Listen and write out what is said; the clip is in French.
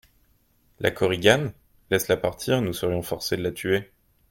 La Korigane ? Laisse-la partir, nous serions forcés de la tuer.